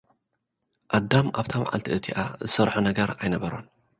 ኣዳም፡ ኣብታ መዓልቲ እቲኣ ዝሰርሖ ነገር ኣይነበሮን።